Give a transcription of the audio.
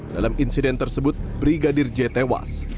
dalam insiden tersebut brigadir j tewas